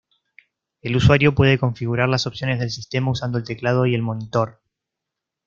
El usuario puede configurar las opciones del sistema usando el teclado y el monitor.